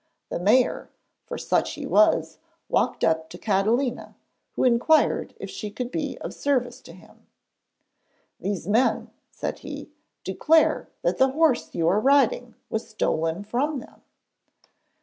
The mayor, for such he was, walked up to Catalina, who inquired if she could be of service to him. 'These men,' said he, 'declare that the horse you are riding was stolen from them.'